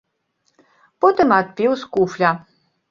Потым адпіў з куфля.